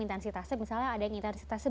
intensitasnya misalnya ada yang intensitasnya